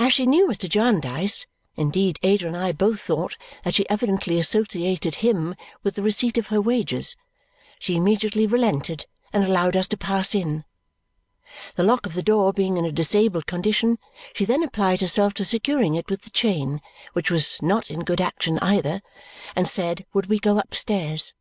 As she knew Mr. Jarndyce (indeed Ada and I both thought that she evidently associated him with the receipt of her wages), she immediately relented and allowed us to pass in. The lock of the door being in a disabled condition, she then applied herself to securing it with the chain, which was not in good action either, and said would we go upstairs?